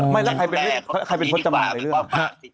ไม่แล้วใครเป็นพจมานอะไรเรื่อง